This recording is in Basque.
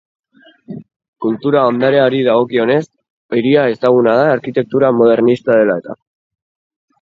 Kultura ondareari dagokionez, hiria ezaguna da arkitektura modernista dela-eta.